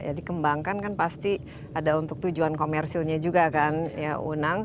ya dikembangkan kan pasti ada untuk tujuan komersilnya juga kan ya unang